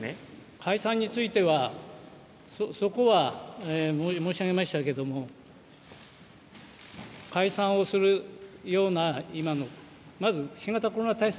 解散についてはそこは申し上げましたけれども解散をするような、今の、まず新型コロナ対策